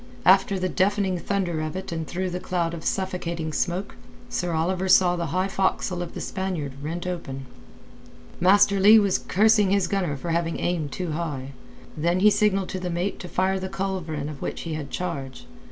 After the deafening thunder of it and through the cloud of suffocating smoke, Sir Oliver saw the high forecastle of the Spaniard rent open. Master Leigh was cursing his gunner for having aimed too high. Then he signalled to the mate to fire the culverin of which he had charge.